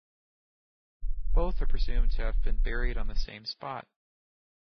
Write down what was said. Both are presumed to have been buried on the same spot.